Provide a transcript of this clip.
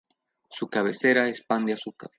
Su cabecera es Pan de Azúcar.